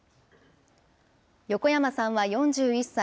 横山さんは４１歳。